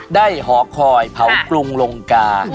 ได้หอคอยเผากรุงลงกา